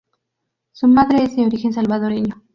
Su Madre es de origen Salvadoreño.